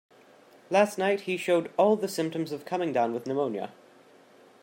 Last night he showed all the symptoms of coming down with pneumonia.